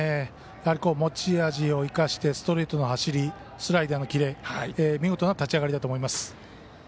やはり持ち味を生かしてストレートの走りスライダーのキレ見事な立ち上がりだと思います。